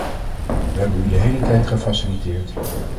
We hebben u de hele tijd gefaciliteerd.